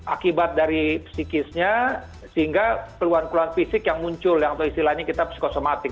akibat dari psikisnya sehingga keluhan keluhan fisik yang muncul yang atau istilahnya kita psikosomatik